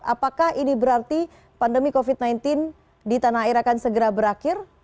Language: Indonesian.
apakah ini berarti pandemi covid sembilan belas di tanah air akan segera berakhir